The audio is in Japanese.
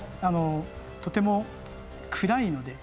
とても暗いので。